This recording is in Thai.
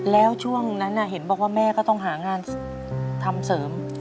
แล้วช่วงนั้นเห็นบอกว่าแม่ก็ต้องหางานทำเสริม